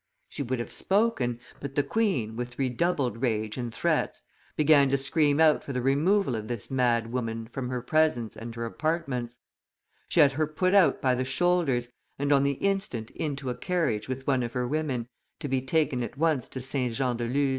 She would have spoken; but the queen, with redoubled rage and threats, began to scream out for the removal of this mad woman from her presence and her apartments; she had her put out by the shoulders, and on the instant into a carriage with one of her women, to be taken at once to St. Jean de Luz.